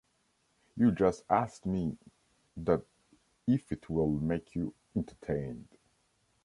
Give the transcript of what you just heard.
You just asked me that if it will make you entertained.